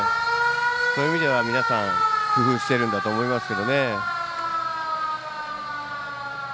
そういう意味では、皆さん工夫してるんだと思いますが。